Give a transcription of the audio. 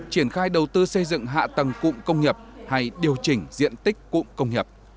triển khai đầu tư xây dựng hạ tầng cụng công nghiệp hay điều chỉnh diện tích cụng công nghiệp